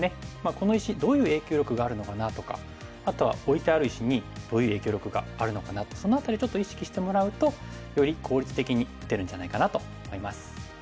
「この石どういう影響力があるのかな？」とかあとは「置いてある石にどういう影響力があるのかな？」ってその辺りちょっと意識してもらうとより効率的に打てるんじゃないかなと思います。